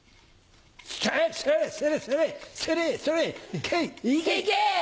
いけいけ！